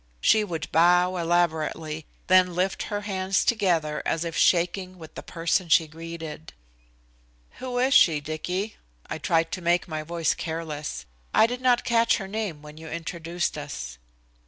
She would bow elaborately, then lift her hands together as if shaking hands with the person she greeted. "Who is she, Dicky?" I tried to make my voice careless. "I did not catch her name when you introduced us."